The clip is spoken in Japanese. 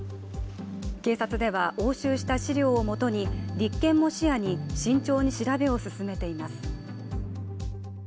警察では押収した資料をもとに立件も視野に慎重に調べを進めています。